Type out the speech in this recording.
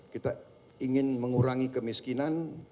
kita ingin mengurangi kemiskinan